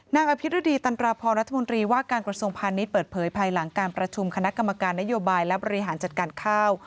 อภิรดีตันตราพรรัฐมนตรีว่าการกระทรวงพาณิชย์เปิดเผยภายหลังการประชุมคณะกรรมการนโยบายและบริหารจัดการข้าว